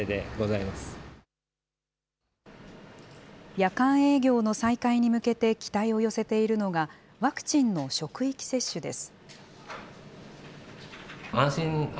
夜間営業の再開に向けて期待を寄せているのが、ワクチンの職域接種です。